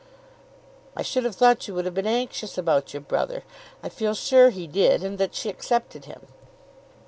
"I should have thought you would have been anxious about your brother. I feel sure he did, and that she accepted him."